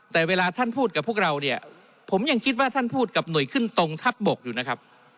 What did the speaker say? แต่เวลาท่านพูดกับพวกเราเนี่ยผมยังคิดว่าท่านพูดกับหน่วยขึ้นตรงทัพบกอยู่นะครับ